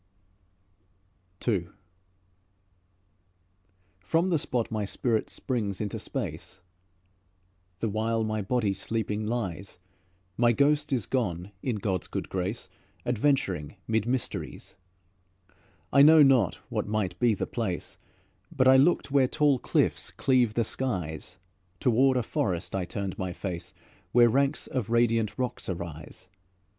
II From the spot my spirit springs into space, The while my body sleeping lies; My ghost is gone in God's good grace, Adventuring mid mysteries; I know not what might be the place, But I looked where tall cliffs cleave the skies, Toward a forest I turned my face, Where ranks of radiant rocks arise.